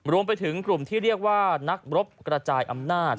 รวมไปถึงกลุ่มที่เรียกว่านักรบกระจายอำนาจ